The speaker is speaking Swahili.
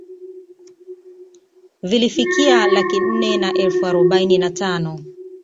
Vilifikia laki nne na elfu arobaini na tano